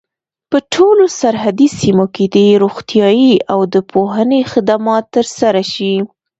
په ټولو سرحدي سیمو کي دي روغتیايي او د پوهني خدمات تر سره سي.